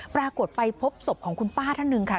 ปรากฏไปพบศพของคุณป้าท่านหนึ่งค่ะ